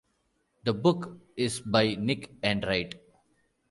The book is by Nick Enright.